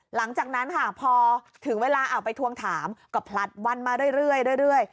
หลังจากนั้นค่ะพอถึงเวลาออกไปทวงถามก็พลัดวันมาเรื่อยเรื่อยเรื่อย